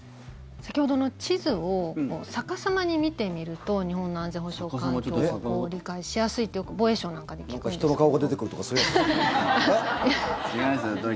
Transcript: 先ほどの地図を逆さまに見てみると日本の安全保障環境が理解しやすいと防衛省なんかで聞くんですけど。